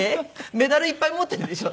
メダルいっぱい持ってるんでしょ？